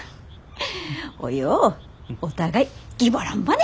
およ。お互いぎばらんばね！